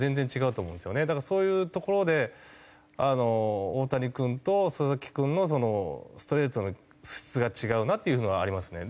だからそういうところで大谷君と佐々木君のストレートの質が違うなっていう風なのはありますね。